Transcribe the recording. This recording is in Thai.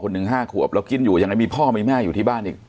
หนึ่ง๕ขวบแล้วกินอยู่ยังไงมีพ่อมีแม่อยู่ที่บ้านอีก